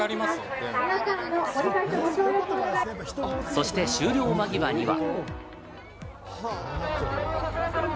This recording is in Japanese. そして終了間際には。